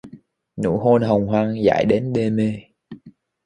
Nụ hôn nồng hoang dại đến đê mê.